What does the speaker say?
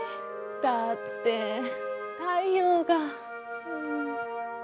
だって太陽が。